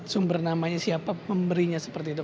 sumber namanya siapa pemberinya seperti itu